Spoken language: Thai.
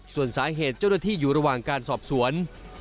ส่วนสาเหตุเจ้าหน้าที่อยู่ระหว่างการสอบสวน